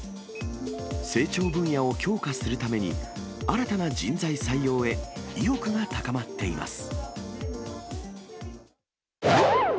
成長分野を強化するために、新たな人材採用へ、意欲が高まっています。